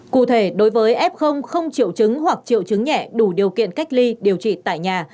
cụ thể đối với f không triệu chứng hoặc triệu chứng nhẹ đủ điều kiện cách ly điều trị tại nhà